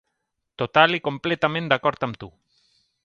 Total i completament d'acord amb tu.